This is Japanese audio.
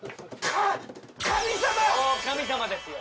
そう神様ですよ。